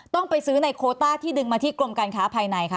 ต้องไปซื้อในโคต้าที่ดึงมาที่กรมการค้าภายในคะ